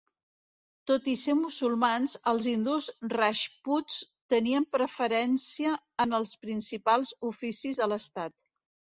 Tot i ser musulmans els hindús rajputs tenien preferència en els principals oficis de l'estat.